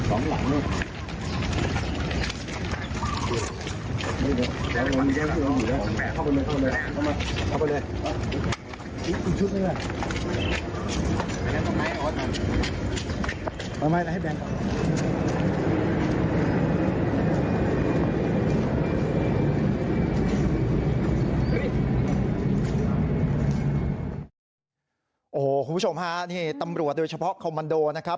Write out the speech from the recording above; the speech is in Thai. คุณผู้ชมฮะนี่ตำรวจโดยเฉพาะคอมมันโดนะครับ